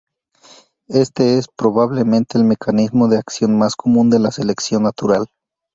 Éste es probablemente el mecanismo de acción más común de la selección natural.